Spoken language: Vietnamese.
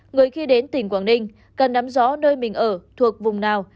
người khi đến tỉnh quảng ninh cần nắm rõ nơi mình ở thuộc vùng nào